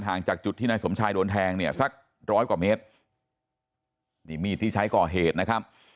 จากจุดที่นายสมชายโดนแทงเนี่ยสักร้อยกว่าเมตรนี่มีดที่ใช้ก่อเหตุนะครับ